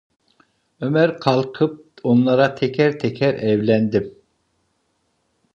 Ömer kalkıp onlara teker teker: "Evlendim…"